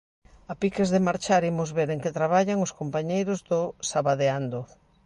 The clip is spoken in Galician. A piques de marchar imos ver en que traballan os compañeiros do Sabadeando.